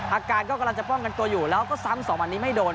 อาการก็กำลังจะป้องกันตัวอยู่แล้วก็ซ้ำสองวันนี้ไม่โดน